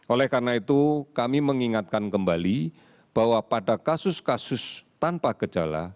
oleh karena itu kami mengingatkan kembali bahwa pada kasus kasus tanpa gejala